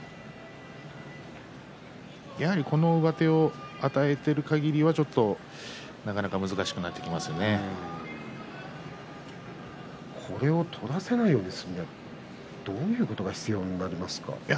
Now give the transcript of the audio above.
やはり、この上手を与えているかぎりはこれを取らせないようにするためにはどういうことが必要になりますか。